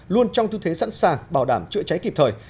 luôn trong thư thế sẵn sàng bảo đảm chữa cháy kịp thời